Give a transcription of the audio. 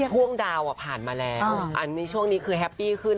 ช่วงดาวผ่านมาแล้วอันนี้ช่วงนี้คือแฮปปี้ขึ้น